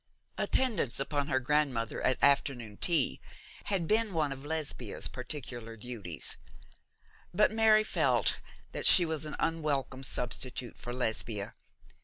Attendance upon her grandmother at afternoon tea had been one of Lesbia's particular duties; but Mary felt that she was an unwelcome substitute for Lesbia.